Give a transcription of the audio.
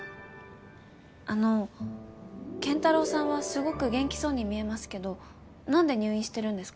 あの健太郎さんはすごく元気そうに見えますけどなんで入院してるんですか？